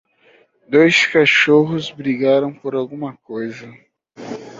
Dois cachorros brigam por alguma coisa.